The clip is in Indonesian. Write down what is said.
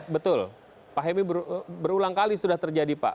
betul pak hemi berulang kali sudah terjadi pak